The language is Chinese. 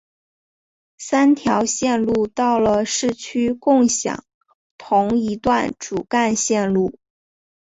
三条线路到了市区共享同一段主干线路。